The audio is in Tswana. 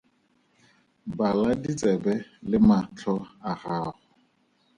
Bala ditsebe le matlho a gago.